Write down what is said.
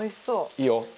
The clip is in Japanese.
いいよ！